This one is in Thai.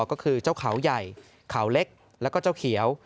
ก็คือเจ้าเขาใหญ่เขาเล็กแล้วก็เจ้าเขียว